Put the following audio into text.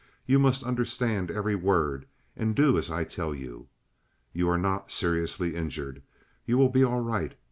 You must understand every word, and do as I tell you. You are not seriously injured. You will be all right.